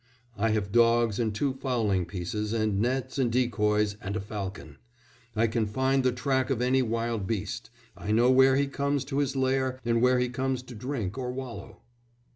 I have dogs and two fowling pieces, and nets, and decoys, and a falcon. I can find the track of any wild beast.... I know where he comes to his lair and where he comes to drink or wallow."